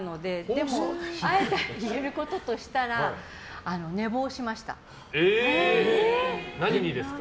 でも、あえて言えることとしたら何にですか？